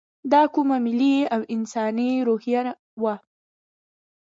دا کومه ملي او انساني روحیه وه.